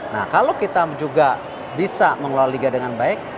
nah kalau kita juga bisa mengelola liga dengan baik